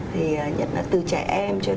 thì nhất là từ trẻ em cho đến